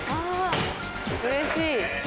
うれしい！